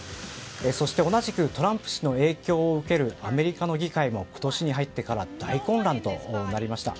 そして同じくトランプ氏の影響を受けるアメリカの議会も今年に入ってから大混乱となりました。